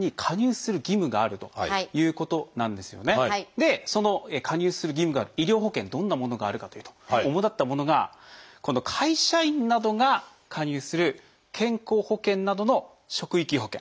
でその加入する義務がある医療保険どんなものがあるかというと主だったものが会社員などが加入する健康保険などの職域保険。